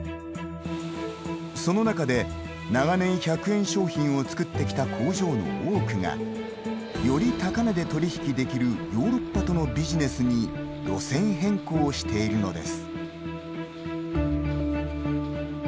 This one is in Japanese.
その中で、長年１００円商品を作ってきた工場の多くがより高値で取引できるヨーロッパとのビジネスに路線変更しているのです。